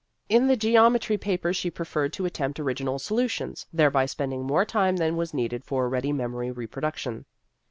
In the geometry paper she preferred to attempt original solutions, thereby spend ing more time than was needed for a ready memory reproduction.